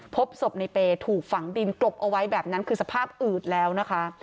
พบศพในเปย์ถูกฝังดินกลบเอาไว้แบบนั้นคือสภาพอืดแล้วนะคะ